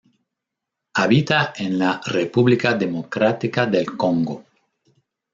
Habita en la República Democrática del Congo